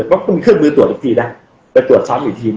พร้อมคุณมีเครื่องมือตรวจอีกทีนะไปตรวจซ้ายอีกที